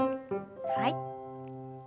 はい。